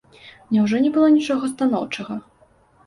Няўжо не было нічога станоўчага?